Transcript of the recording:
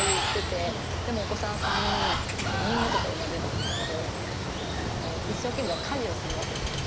でもお子さん３人４人目とか生まれるんですけど一生懸命家事をするわけですよ。